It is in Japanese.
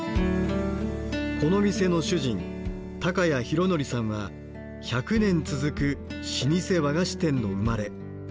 この店の主人高家裕典さんは１００年続く老舗和菓子店の生まれ。